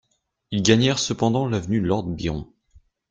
Ils gagnèrent cependant l'avenue Lord Byron.